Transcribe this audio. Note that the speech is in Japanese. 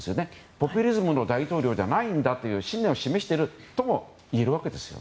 ポピュリズムの大統領じゃないんだという信念を示しているともいえるわけです。